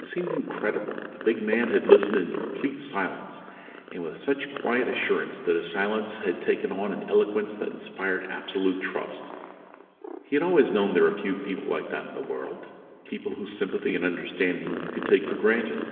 It seemed incredible, but the big man had listened in complete silence, and with such quiet assurance that his silence had taken on an eloquence that inspired absolute trust. He had always known there were a few people like that in the world, people whose sympathy and understanding you could take for granted.